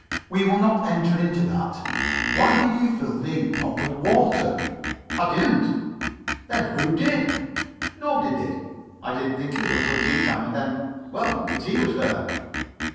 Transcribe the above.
"We will not enter into that. Why did you fill the ink pot with water?" "I didn't." "Then who did?" "Nobody did. I didn't think of it until tea time, and then well, the tea was there."